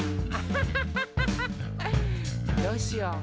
どうしよう？